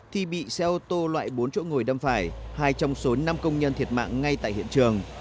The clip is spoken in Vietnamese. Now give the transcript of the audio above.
thì bị xe ô tô loại bốn chỗ ngồi đâm phải hai trong số năm công nhân thiệt mạng ngay tại hiện trường